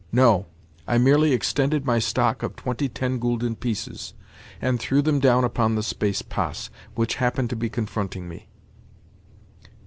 No, I merely extended my stock of twenty ten gülden pieces, and threw them down upon the space "Passe" which happened to be confronting me.